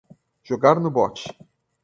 Jogar no bot